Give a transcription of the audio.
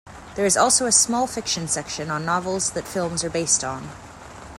There is also a small fiction section on novels that films are based on.